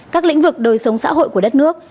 các lĩnh vực đời sống xã hội của đất nước